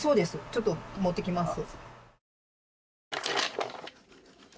ちょっと持ってきます。